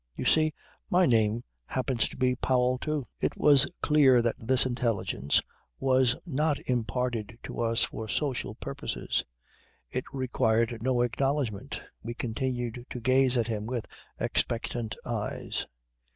You see, my name happens to be Powell too." It was clear that this intelligence was not imparted to us for social purposes. It required no acknowledgment. We continued to gaze at him with expectant eyes.